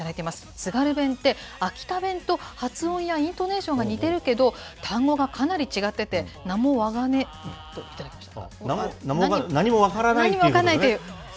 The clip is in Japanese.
津軽弁って、秋田弁と発音やイントネーションが似ているけれども、単語がかなり違ってて、なんもわがんねと、頂きました。